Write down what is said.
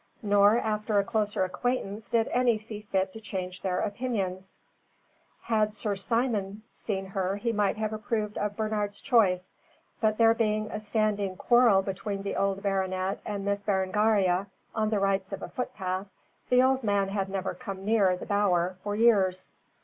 Nor after a closer acquaintance did any see fit to change their opinions. Had Sir Simon seen her he might have approved of Bernard's choice, but there being a standing quarrel between the old baronet and Miss Berengaria, on the rights of a footpath, the old man had never come near "The Bower" for years.